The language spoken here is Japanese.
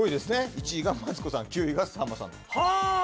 １位がマツコさん９位がさんまさんは！